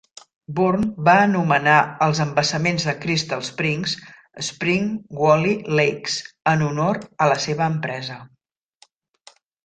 Bourn va anomenar els embassaments de Crystal Springs "Spring Valley Lakes" en honor a la seva empresa.